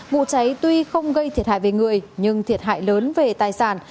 vụ cháy tuy không gây thiệt hại về người nhưng thiệt hại lớn về tài sản